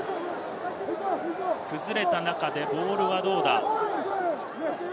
崩れた中でボールはどうだ？